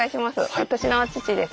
私の父です。